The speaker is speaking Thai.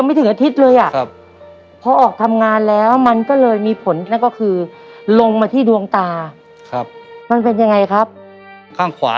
แล้วเห็นบอกว่าไปในสภาพที่เราเห็นกันนะคุณผู้ชมแบบนั้นเลย